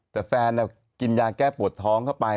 แต่แฟนกินยาแก้ปวดท้องเข้าไป